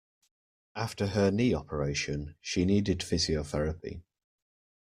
After her knee operation, she needed physiotherapy